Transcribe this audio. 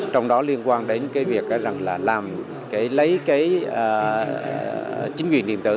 trong đó liên quan đến việc lấy chính quyền điện tử